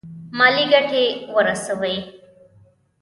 مالي ګټي ورسوي.